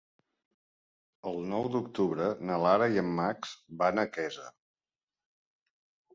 El nou d'octubre na Lara i en Max van a Quesa.